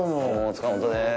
塚本です。